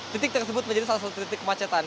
titik tersebut menjadi salah satu titik kemacetan